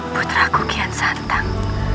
putraku kian santang